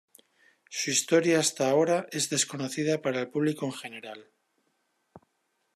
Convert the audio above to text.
Su historia hasta ahora es desconocida para el público en general.